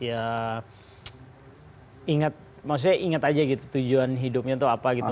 ya inget maksudnya inget aja gitu tujuan hidupnya tuh apa gitu